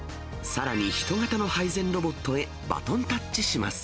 さらに人型の配膳ロボットへバトンタッチします。